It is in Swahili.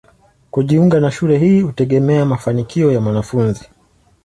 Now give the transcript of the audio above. Kujiunga na shule hii hutegemea mafanikio ya mwanafunzi.